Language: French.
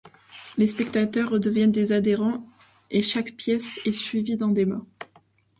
Les spectateurs deviennent des adhérents et chaque pièce est suivie d'un débat.